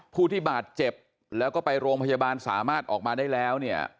ผู้ที่บาดเจ็บแล้วก็ไปโรงพยาบาลสามารถออกมาได้แล้วเนี่ย